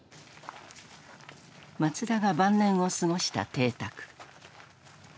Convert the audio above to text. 松田が晩年を過ごした邸宅。